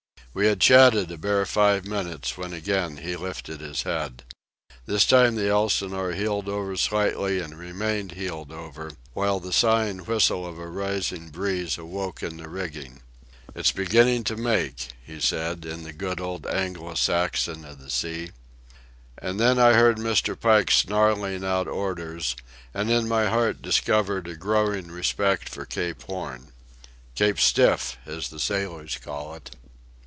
We had chatted a bare five minutes, when again he lifted his head. This time the Elsinore heeled over slightly and remained heeled over, while the sighing whistle of a rising breeze awoke in the rigging. "It's beginning to make," he said, in the good old Anglo Saxon of the sea. And then I heard Mr. Pike snarling out orders, and in my heart discovered a growing respect for Cape Horn—Cape Stiff, as the sailors call it.